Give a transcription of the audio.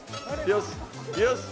よし！